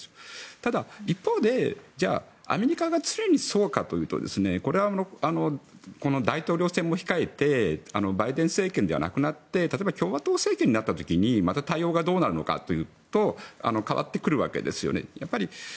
ただ、一方でじゃあアメリカが常にそうかというとこれは、大統領選も控えてバイデン政権ではなくなって例えば共和党政権になった時にまた対応がどうなのかというと変わってくるわけですよね。